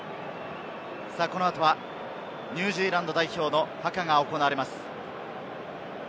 この後はニュージーランド代表のハカが行われます。